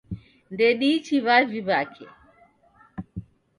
Ndediichi w'avi w'ake